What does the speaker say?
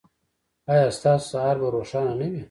ایا ستاسو سهار به روښانه نه وي؟